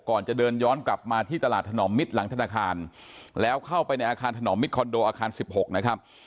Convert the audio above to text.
ก่อนจะเดินย้อนกลับมาที่ตลาดถนอมมิตรหลังธนาคารแล้วเข้าไปในอาคารถนอมมิตรคอนโดอาคาร๑๖นะครับ